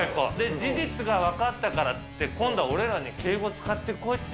事実が分かったからっつって、今度は俺らに敬語使ってこいって。